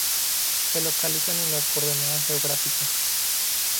Se localizan en las coordenadas geográficas